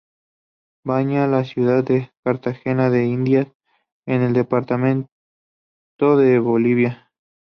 Baña la ciudad de Cartagena de Indias en el departamento de Bolívar.